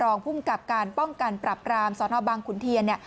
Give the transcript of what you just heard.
รองภูมิกับการป้องกันปรับรามสนบังขุนเทียนเนี่ย